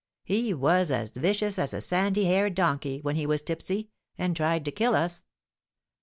He was as vicious as a sandy haired donkey, when he was tipsy, and tried to kill us.